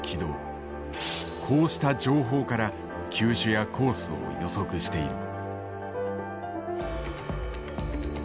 こうした「情報」から球種やコースを予測している。